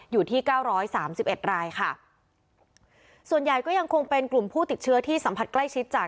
อยู่ที่เก้าร้อยสามสิบเอ็ดรายค่ะส่วนใหญ่ก็ยังคงเป็นกลุ่มผู้ติดเชื้อที่สัมผัสใกล้ชิดจาก